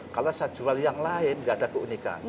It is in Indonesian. kalau saya jual yang lain nggak ada keunikan